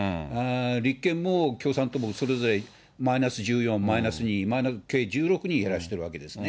立憲も共産党も、それぞれマイナス１４、マイナス２、計１６人減らしてるわけですね。